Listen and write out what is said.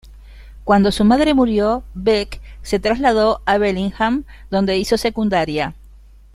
Cuando su madre murió, Beck se trasladó a Bellingham, donde hizo secundaria.